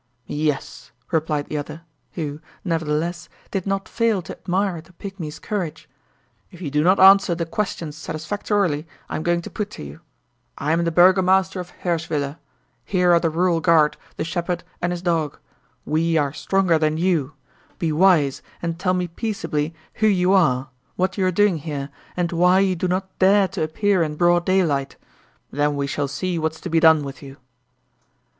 "Yes," replied the other, who, nevertheless, did not fail to admire the pygmy's courage; "if you do not answer the questions satisfactorily I am going to put to you. I am the burgomaster of Hirschwiller; here are the rural guard, the shepherd and his dog. We are stronger than you be wise and tell me peaceably who you are, what you are doing here, and why you do not dare to appear in broad daylight. Then we shall see what's to be done with you."